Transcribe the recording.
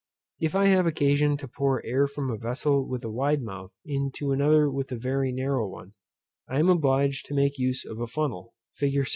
If I have occasion to pour air from a vessel with a wide mouth into another with a very narrow one, I am obliged to make use of a funnel, fig.